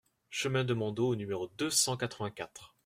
Chemin de Mondot au numéro deux cent quatre-vingt-quatre